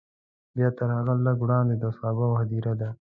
بیا تر هغه لږ وړاندې د اصحابو هدیره ده.